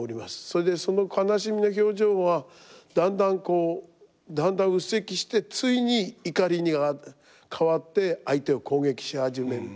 それでその悲しみの表情はだんだん鬱積してついに怒りに変わって相手を攻撃し始める。